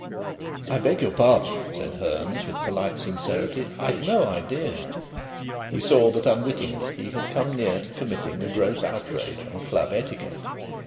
"I beg your pardon," said Fearns, with polite sincerity. "I'd no idea...!" He saw that unwittingly he had come near to committing a gross outrage on club etiquette.